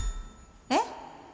えっ？